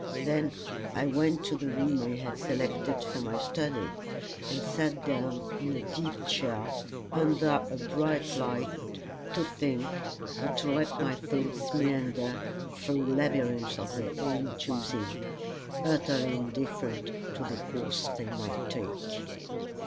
Then I went to the room I had selected for my study, and sat down in a deep chair, under a bright light, to think, or to let my thoughts meander through labyrinths of their own choosing, utterly indifferent to the course they might take.